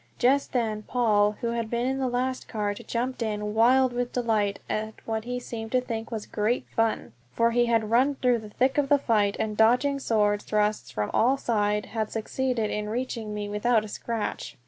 Just then Paul, who had been in the last cart, jumped in, wild with delight at what he seemed to think was great fun, for he had run through the thick of the fight, dodging sword thrusts from all sides, and had succeeded in reaching me without a scratch.